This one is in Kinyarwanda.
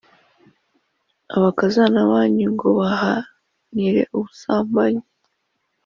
abakazana banyu ngo mbahanire ubusambanyi;